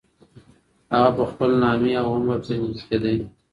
هغه په خپل نامې او عمر پېژندل کېدی.